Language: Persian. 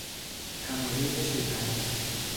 تمایل به شیطنت